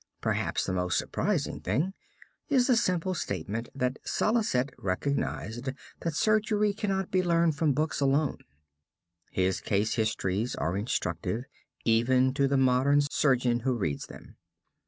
Perhaps the most surprising thing is the simple statement that Salicet recognized that surgery cannot be learned from books alone. His case histories are instructive even to the modern surgeon who reads them.